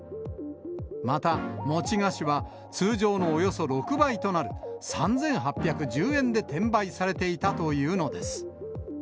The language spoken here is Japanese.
また、餅菓子は、通常のおよそ６倍となる３８１０円で転売されていたというのです。